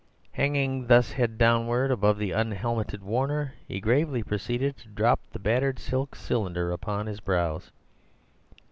Hanging thus head downwards above the unhelmed Warner, he gravely proceeded to drop the battered silk cylinder upon his brows.